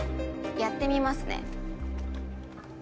やってみますね。